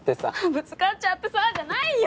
「ぶつかちゃってさ」じゃないよ！